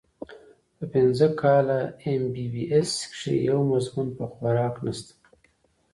پۀ پنځه کاله اېم بي بي اېس کښې يو مضمون پۀ خوراک نشته